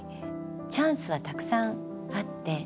チャンスはたくさんあって。